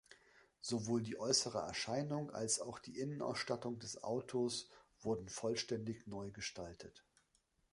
Sowohl die äußere Erscheinung als auch die Innenausstattung des Autos wurden vollständig neu gestaltet.